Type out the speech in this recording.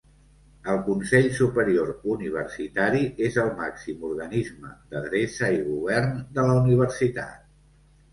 El Consell Superior Universitari és el màxim organisme d'adreça i govern de la Universitat.